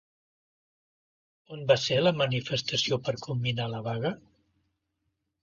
On va ser la manifestació per culminar la vaga?